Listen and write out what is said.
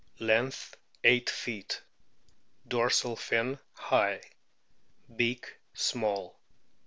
Length, 8 feet. Dorsal fin high. Beak small.